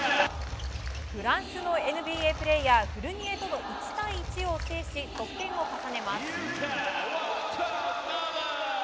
フランスのＮＢＡプレーヤーフルニエとの１対１を制し、得点を重ねます。